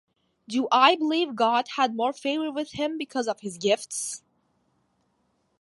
Do I believe God had more favor with him because of his gifts?